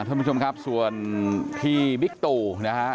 ท่านผู้ชมครับส่วนที่บิ๊กตู่นะฮะ